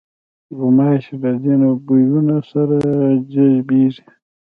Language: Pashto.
غوماشې له ځینو بویونو سره جذبېږي.